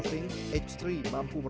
siapaiez kan mana bangsa ya askeli